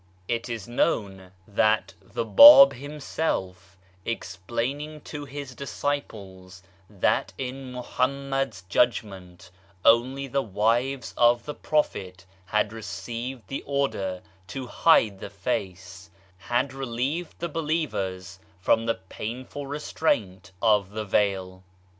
It is known 128 BAHAISM that the Bab himself explaining to his disciples that in Muhammad's judgment only the wives of the Prophet had received the order to hide the face— had relieved the believers from the painful restraint of the veil.